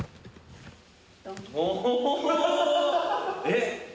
えっ？